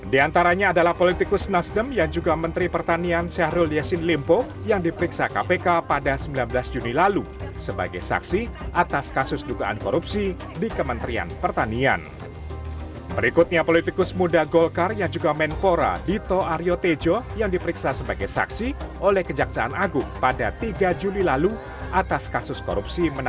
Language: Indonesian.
di antaranya adalah politikus nasdem yang juga menteri pertanian syahrul yassin limpo yang diperiksa kpk pada sembilan belas juni lalu